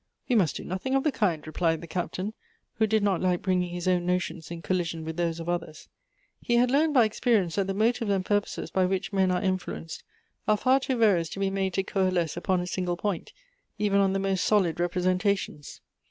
" We must do nothing of the kind," replied the Captain, who did not like bringing his own notions in collision with those of others. He had learned by experience that the motives and purposes by which men are influenced, are far too various to be made to coalesce upon a single point, even on the most solid representations.